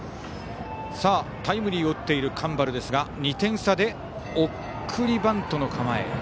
タイムリーを打っている上原ですが２点差で送りバントの構え。